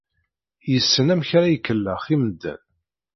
Yessen amek ara ikellex i medden.